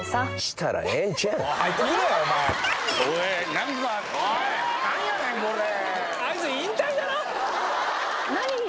何か何やねん⁉これ。